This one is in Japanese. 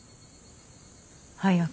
早く。